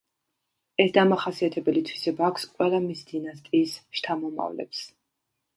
ეს დამახასიათებელი თვისება აქვს ყველა მის დინასტიის შთამომავლებს.